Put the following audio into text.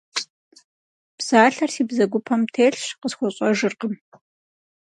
Псалъэр си бзэгупэм телъщ, къысхуэщӏэжыркъым.